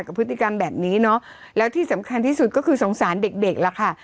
พฤติกรรมแบบนี้เนอะแล้วที่สำคัญที่สุดก็คือสงสารเด็กเด็กล่ะค่ะ